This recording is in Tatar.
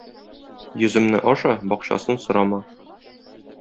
Йөземне аша, бакчасын сорама.